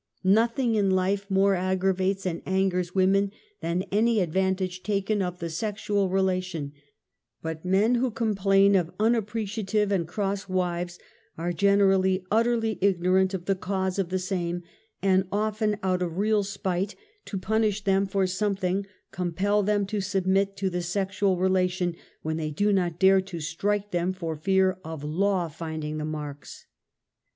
ITothino; in life more aocsravates and ano; ers women than any advantage taken of the sexual relation, but men who complain of unappreciative and cross wives are generally utterly ignorant of the cause of the same, and often out of real spite to punish them for something, compel them to submit to the sexual re lation, when they do not dare to strike them for fear of law finding the marks.